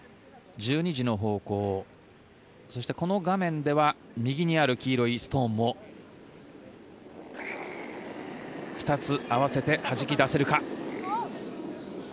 １２時の方向そして、この画面では右にある黄色いストーンも２つ合わせてはじき出せるか。